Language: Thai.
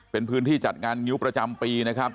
เป็นพื้นที่จัดงานงิ้วประจำปีนะครับ